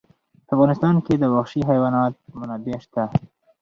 په افغانستان کې د وحشي حیوانات منابع شته.